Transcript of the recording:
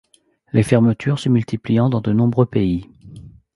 Les fermetures se multipliant dans de nombreux pays.